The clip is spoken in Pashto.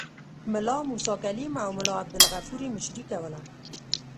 ملا موسی کلیم او ملا عبدالغفور یې مشري کوله.